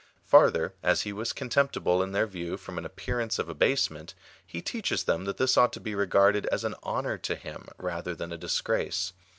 Farther, as he was contemptible in their view from an appearance of abasement, he teaches them that this ought to be regarded as an honour to him rather than a disgrace.